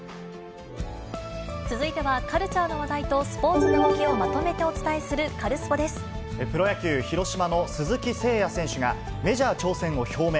続いては、カルチャーの話題とスポーツの動きをまとめてお伝えする、カルスプロ野球・広島の鈴木誠也選手が、メジャー挑戦を表明。